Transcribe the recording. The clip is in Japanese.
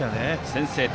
先制点。